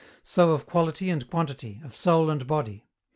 So of quality and quantity, of soul and body.